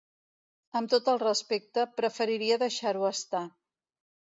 Amb tot el respecte, preferiria deixar-ho estar.